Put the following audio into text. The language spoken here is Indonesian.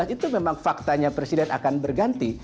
itu memang faktanya presiden akan berganti